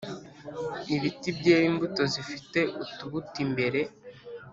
Ibiti byera imbuto zifite utubuto imbere